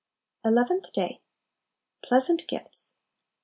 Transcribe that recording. Eleventh Day. Pleasant Gifts.